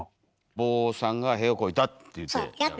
「坊さんが屁をこいた」って言うて。